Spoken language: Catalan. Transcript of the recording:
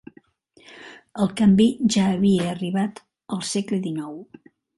El canvi ja havia arribat al segle XIX.